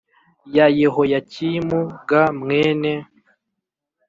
Ya yehoyakimu g mwene